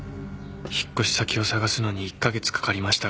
引っ越し先を探すのに１カ月かかりましたが。